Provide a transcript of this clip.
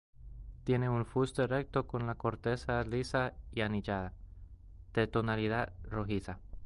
Tiene un fuste recto, con la corteza lisa y anillada, de tonalidad rojiza.